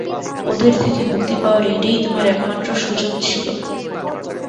ওদের থেকে মুক্তি পাওয়ার এইটাই তোমার একমাত্র সুযোগ ছিল!